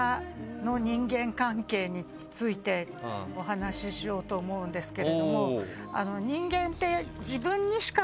お話ししようと思うんですけれども。